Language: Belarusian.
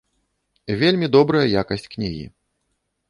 Вельмі добрая якасць кнігі.